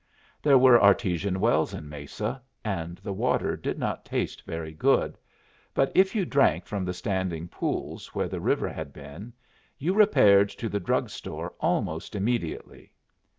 There were artesian wells in Mesa, and the water did not taste very good; but if you drank from the standing pools where the river had been, you repaired to the drug store almost immediately.